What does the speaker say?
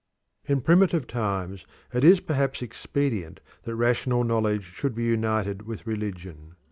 In primitive times it is perhaps expedient that rational knowledge should be united with religion.